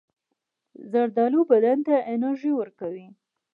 زردالو بدن ته انرژي ورکوي.